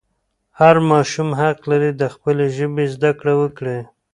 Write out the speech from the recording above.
هر ماشوم حق لري چې د خپلې ژبې زده کړه وکړي.